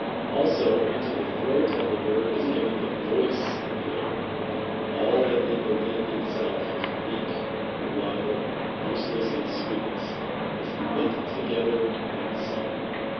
Also, into the throat of the Bird is given the voice of the air. All that in the wind itself is weak, wild, useless in sweetness, is knit together in its song.